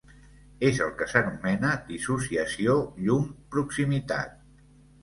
És el que s'anomena "dissociació llum-proximitat".